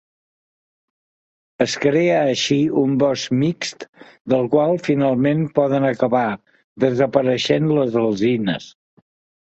Es crea així un bosc mixt del qual finalment poden acabar desapareixent les alzines.